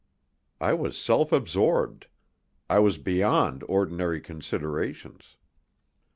I was self absorbed. I was beyond ordinary considerations.